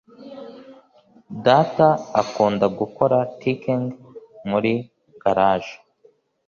data akunda gukora tinking muri garage